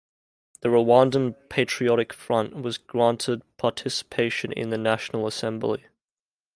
The Rwandan Patriotic Front was granted participation in the national assembly.